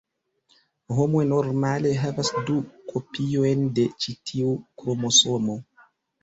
Homoj normale havas du kopiojn de ĉi tiu kromosomo.